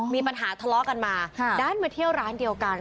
มีปัญหาทะเลาะกันมาด้านมาเที่ยวร้านเดียวกัน